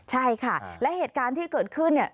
ใช่ค่ะและเหตุการณ์ที่เกิดขึ้นเนี่ย